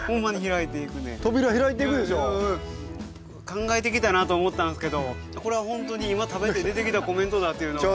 考えてきたなと思ったんですけどこれはほんとに今食べて出てきたコメントだっていうのが。